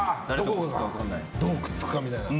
どうくっつくかみたいな。